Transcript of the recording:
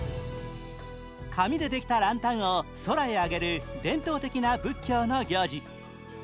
紙でできたランタンを空へ上げる伝統的な仏教の行事。